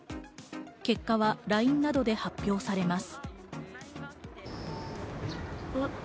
結果はＬＩＮＥなどで発表されます。